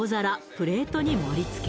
プレートに盛り付け